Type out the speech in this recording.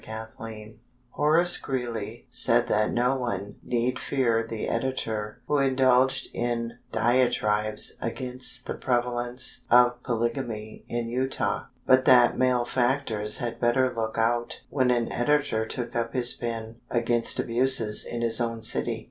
WISHING Horace Greeley said that no one need fear the editor who indulged in diatribes against the prevalence of polygamy in Utah, but that malefactors had better look out when an editor took up his pen against abuses in his own city.